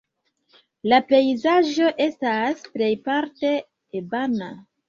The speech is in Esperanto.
La pejzaĝo estas plejparte ebena.